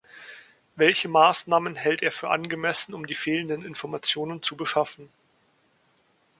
Welche Maßnahmen hält er für angemessen, um die fehlenden Informationen zu beschaffen?